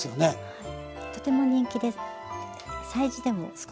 はい。